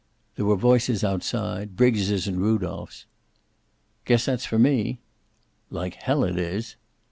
There were voices outside, Briggs's and Rudolph's. "Guess that's for me." "Like hell it is."